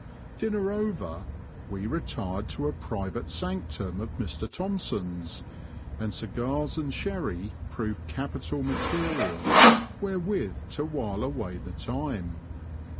Dinner over, we retired to a private sanctum of Mr Thompson's, and cigars and sherry proved capital material wherewith to while away the time.